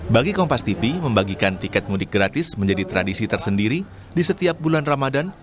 bagi kompas tv membagikan tiket mudik gratis menjadi tradisi tersendiri di setiap bulan ramadan